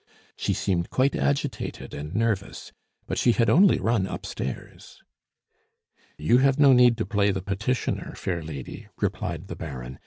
She seemed quite agitated and nervous but she had only run upstairs. "You have no need to play the petitioner, fair lady," replied the Baron.